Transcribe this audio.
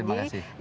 amin terima kasih